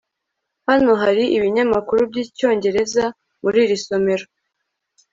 hano hari ibinyamakuru byicyongereza muri iri somero